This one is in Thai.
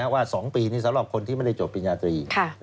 ว่า๒ปีนี้สำหรับคนที่ไม่ได้จบปริญญาตรี